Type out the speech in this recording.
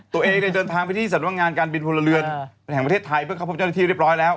ตัวเองได้เดินทางไปที่สำนักงานการบินพลเรือนแห่งประเทศไทยเพื่อเข้าพบเจ้าหน้าที่เรียบร้อยแล้ว